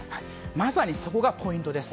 まさにそこがポイントです。